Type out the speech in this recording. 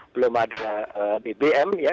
belum ada bbm ya